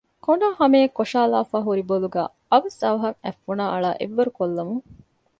ކޮނޑާ ހަމަޔަށް ކޮށާލައިފައި ހުރި ބޮލުގައި އަވަސް އަވަހަށް އަތްފުނާއަޅާ އެއްވަރު ކޮށްލަމުން